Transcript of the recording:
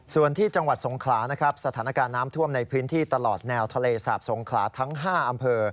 ส่วนที่จังหวัดสงขลานะครับสถานการณ์น้ำท่วมในพื้นที่ตลอดแนวทะเลสาบสงขลาทั้ง๕อำเภอ